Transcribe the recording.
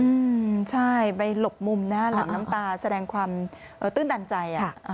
อืมใช่ไปหลบมุมนะหลับน้ำตาแสดงความตื้นตันใจอ่ะ